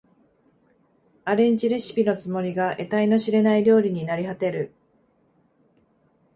アレンジレシピのつもりが得体の知れない料理になりはてる